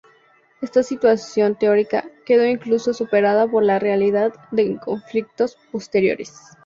Esta situación teórica, quedó incluso superada por la realidad en conflictos posteriores.